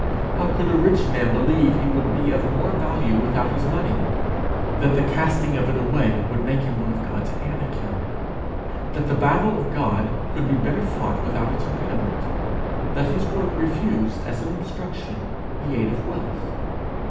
How could a rich man believe he would be of more value without his money? that the casting of it away would make him one of God's Anakim? that the battle of God could be better fought without its impediment? that his work refused as an obstruction the aid of wealth?